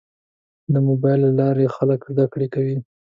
د موبایل له لارې خلک زده کړه کوي.